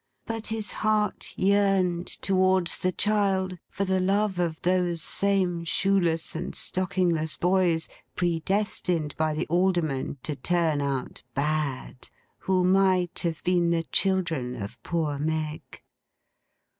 But his heart yearned towards the child, for the love of those same shoeless and stockingless boys, predestined (by the Alderman) to turn out bad, who might have been the children of poor Meg.